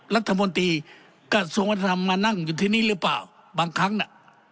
รัฐมนตรีกระทรวงวัฒนธรรมมานั่งอยู่ที่นี่หรือเปล่าบางครั้งน่ะ